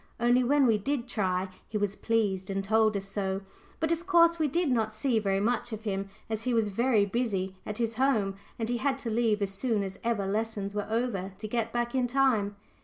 Only when we did try he was pleased, and told us so. But of course we did not see very much of him, as he was very busy at his home, and he had to leave as soon as ever lessons were over, to get back in time.